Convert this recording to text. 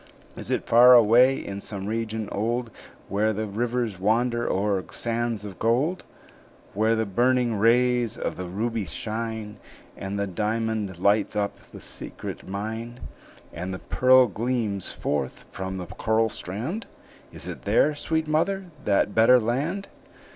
"Is it far away, in some region old, Where the rivers wander o'er sands of gold? Where the burning rays of the ruby shine, And the diamond lights up the secret mine, And the pearl gleams forth from the coral strand? Is it there, sweet mother, that better land?"